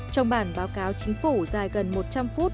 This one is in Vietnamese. trong bản báo cáo chính phủ dài gần một trăm linh phút